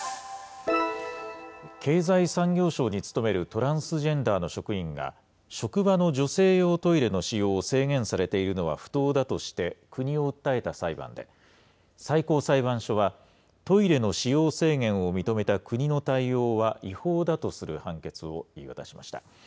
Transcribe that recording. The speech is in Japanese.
経済産業省に勤めるトランスジェンダーの職員が、職場の女性用トイレの使用を制限されているのは不当だとして、国を訴えた裁判で、最高裁判所は、トイレの使用制限を認めた国の対応は違法だとする判決を言い渡しました。